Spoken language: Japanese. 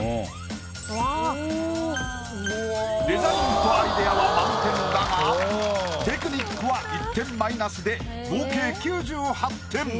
デザインとアイデアは満点だがテクニックは１点マイナスで合計９８点。